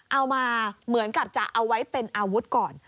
เอามาเหมือนกับจะเอาไว้เป็นอาวุธก่อน